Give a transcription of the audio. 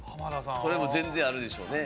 それも全然あるでしょうね。